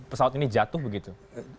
pesawat ini jatuh begitu